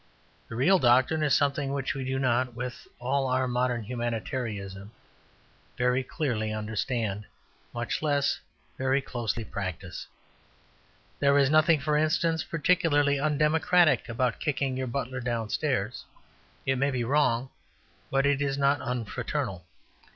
The real doctrine is something which we do not, with all our modern humanitarianism, very clearly understand, much less very closely practise. There is nothing, for instance, particularly undemocratic about kicking your butler downstairs. It may be wrong, but it is not unfraternal.